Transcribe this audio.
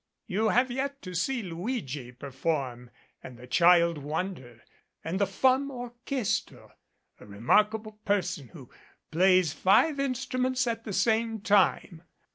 You have yet to see Luigi perform and the Child Wonder and the Femme Orchestre a remarkable person who plays five instruments at the same time."